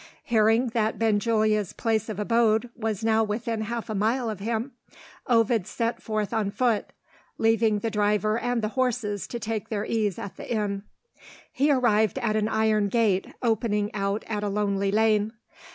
Hearing that Benjulia's place of abode was now within half a mile of him, Ovid set forth on foot; leaving the driver and the horses to take their ease at their inn. He arrived at an iron gate, opening out of a lonely lane.